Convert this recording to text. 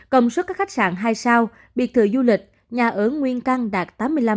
cộng suất các khách sạn hai sao biệt thự du lịch nhà ở nguyên căn đạt tám mươi năm chín mươi